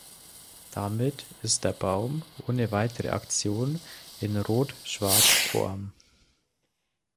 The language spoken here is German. Damit ist der Baum ohne weitere Aktion in Rot-Schwarz-Form.